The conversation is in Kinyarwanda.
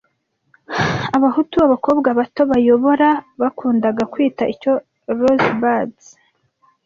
Abahutu (Abakobwa bato bayobora) bakundaga kwita icyo Rosebuds